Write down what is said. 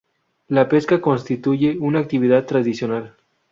La pesca constituye una actividad tradicional.